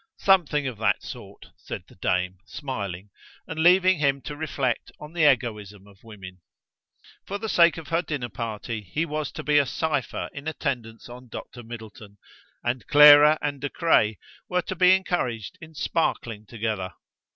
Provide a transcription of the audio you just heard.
"Something of that sort," said the dame, smiling, and leaving him to reflect on the egoism of women. For the sake of her dinner party he was to be a cipher in attendance on Dr. Middleton, and Clara and De Craye were to be encouraged in sparkling together!